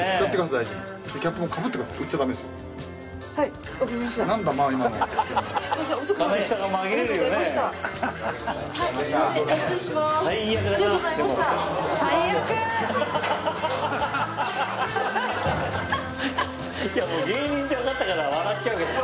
いやもう芸人ってわかったから笑っちゃうけどさ。